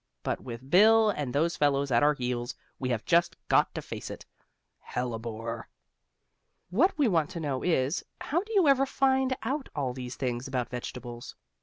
But with Bill and those fellows at our heels we have just got to face it. Hellebore! What we want to know is, How do you ever find out all these things about vegetables?